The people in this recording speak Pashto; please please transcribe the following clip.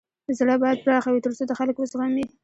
زړه بايد پراخه وي تر څو د خلک و زغمی.